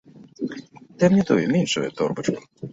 Дай мне тую, меншую торбачку.